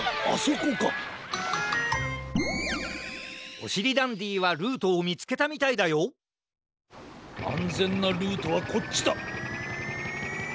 おしりダンディはルートをみつけたみたいだよあんぜんなルートはこっちだ！